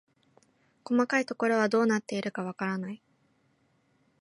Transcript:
細かいところはどうなっているのかわからない